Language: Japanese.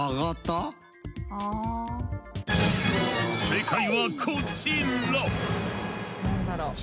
正解はこちら！